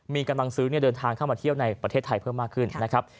มีกำลังซื้อเดินทางเข้ามาเที่ยวในประเทศไทยเพิ่มมากขึ้นนะครับ